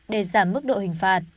để giảm mức độ hình phạt